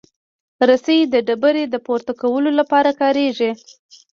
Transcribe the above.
رسۍ د ډبرې د پورته کولو لپاره کارېږي.